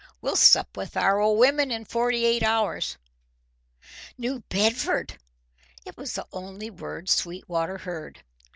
"We'll sup with our old women in forty eight hours!" New Bedford! It was the only word Sweetwater heard.